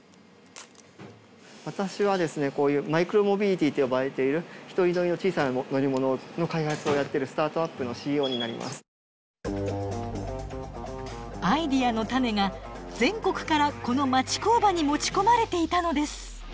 私はですねこういうマイクロモビリティと呼ばれている１人乗りの小さな乗り物の開発をやっているアイデアのタネが全国からこの町工場に持ち込まれていたのです。